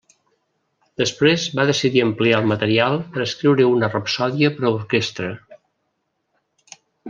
Després va decidir ampliar el material per a escriure una rapsòdia per a orquestra.